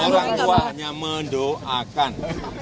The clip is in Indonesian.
orang tua hanya mendoakan